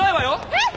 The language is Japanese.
えっ？